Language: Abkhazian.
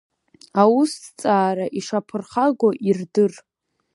Аусҭҵаара ишаԥырхагоу ирдыр!